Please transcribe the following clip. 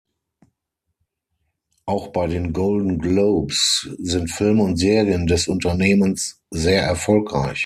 Auch bei den Golden Globes sind Filme und Serien des Unternehmens sehr erfolgreich.